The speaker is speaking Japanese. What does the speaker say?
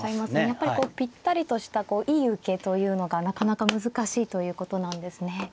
やっぱりこうぴったりとしたいい受けというのがなかなか難しいということなんですね。